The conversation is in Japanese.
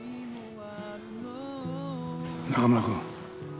中村くん。